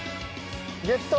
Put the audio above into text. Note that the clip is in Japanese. ゲット。